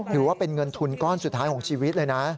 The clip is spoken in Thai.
ถือว่าเป็นเงินทุนก้อนสุดท้ายของชีวิตเลยนะ